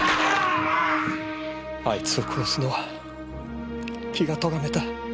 あいつを殺すのは気がとがめた。